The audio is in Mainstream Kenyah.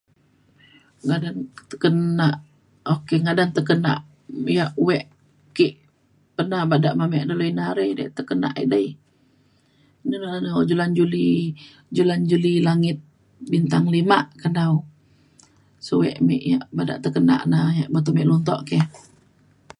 ngadan tekenak ok ngadan tekenak yak wek ke pernah bada me me dalau ina re tekenak edei nu nu ngadan nu Julan Julie Julan Julie Langit Bintang Lima kena suek mek yak bada tekak tekenak na yak me be te me luntok ke